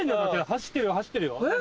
走ってる走ってるよ何？